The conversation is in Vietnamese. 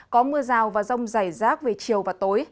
có mưa rào và rông dày rác về chiều và tối